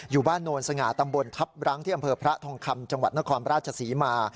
อยู่บ้านโนนสง่าตำบลทัพรั้งที่อำเภอพระทองคำจังหวัดนครราชศรีมา